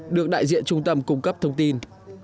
được đại diện trung tâm cung cấp thông tin